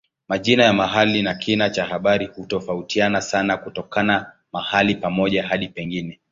Majina ya mahali na kina cha habari hutofautiana sana kutoka mahali pamoja hadi pengine.